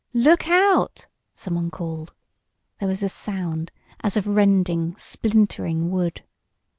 "Look out!" someone called. There was a sound as of rending, splintering wood.